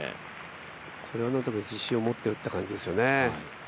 これはかなり自信を持って打った感じですよね。